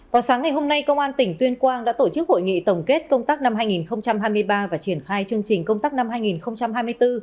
vào sáng ngày hôm nay công an tỉnh tuyên quang đã tổ chức hội nghị tổng kết công tác năm hai nghìn hai mươi ba và triển khai chương trình công tác năm hai nghìn hai mươi bốn